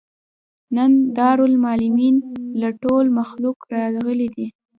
نن دارالمعلمین ته ټول مخلوق راغلى دی.